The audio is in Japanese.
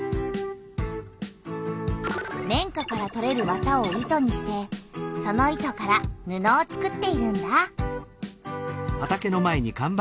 綿花からとれる綿を糸にしてその糸から布をつくっているんだ。